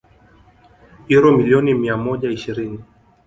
uro milioni mia moja ishirini